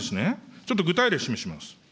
ちょっと具体例示します。